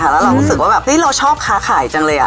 แล้วเรารู้สึกว่าเราชอบค้าขายจังเลย